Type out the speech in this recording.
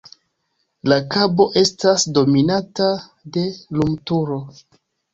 La kabo estas dominata de lumturo.